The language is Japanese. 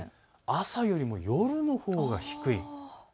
朝よりも夜のほうが低い。